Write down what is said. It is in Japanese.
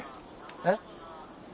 えっ？